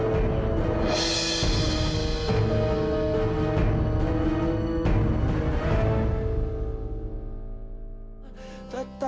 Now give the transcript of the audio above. kalau kamu terima